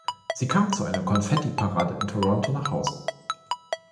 Sie kam zu einer Konfettiparade in Toronto nach Hause!